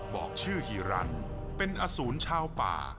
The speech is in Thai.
บอกชื่อฮีรันเป็นอสูรชาวป่า